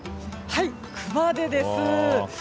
熊手です。